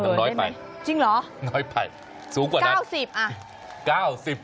๘๐น้อยไปสูงกว่านั้น๙๐อ่ะ